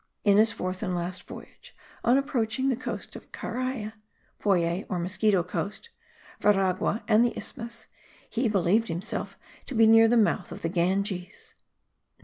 In his fourth and last voyage, on approaching the coast of Cariay (Poyais or Mosquito Coast), Veragua and the Isthmus, he believed himself to be near the mouth of the Ganges.